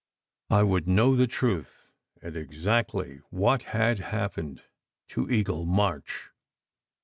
I would know the truth, and exactly what had hap pened to Eagle March.